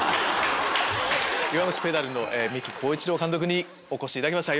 『弱虫ペダル』の三木康一郎監督にお越しいただきました。